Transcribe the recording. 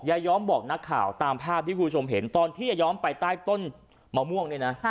ยายอมบอกนักข่าวตามภาพที่คุณผู้ชมเห็นตอนที่ยาย้อมไปใต้ต้นมะม่วงเนี่ยนะ